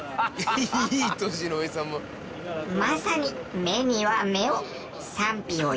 まさに目には目を。